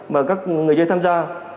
mà các người dây tham gia